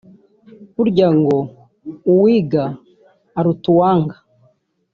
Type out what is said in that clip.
Burya ngo uwiga aruta uwanga